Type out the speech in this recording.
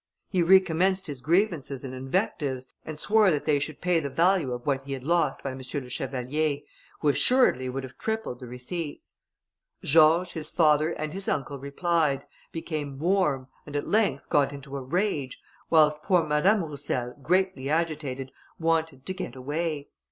He recommenced his grievances and invectives, and swore that they should pay the value of what he had lost by M. le Chevalier, who assuredly would have tripled the receipts. George, his father, and his uncle replied, became warm, and at length got into a rage, whilst poor Madame Roussel, greatly agitated, wanted to get away.